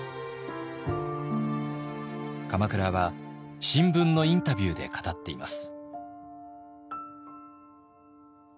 鎌倉は新聞のインタビューで語っています。